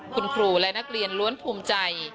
คุณครูและนักเรียนล้วนภูมิใจ